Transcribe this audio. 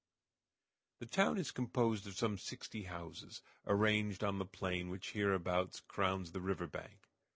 The town is composed of some sixty houses, arranged on the plain which hereabouts crowns the river bank.